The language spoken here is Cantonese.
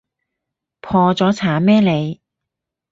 破咗產咩你？